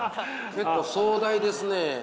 結構壮大ですね。